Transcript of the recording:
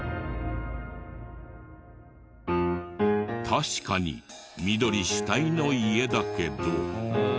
確かに緑主体の家だけど。